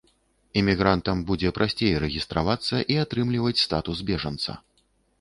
Імігрантам будзе прасцей рэгістравацца і атрымліваць статус бежанца.